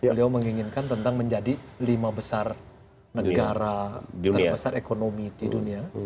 beliau menginginkan tentang menjadi lima besar negara terbesar ekonomi di dunia